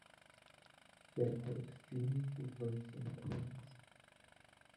They are extremely diverse in appearance.